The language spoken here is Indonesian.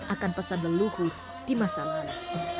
akan pesan leluhur di masa lalu